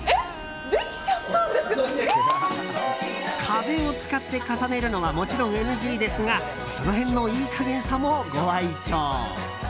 壁を使って重ねるのはもちろんＮＧですがその辺の、いいかげんさもご愛嬌。